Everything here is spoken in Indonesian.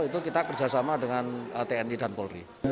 itu kita kerjasama dengan tni dan polri